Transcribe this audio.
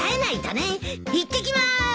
いってきます！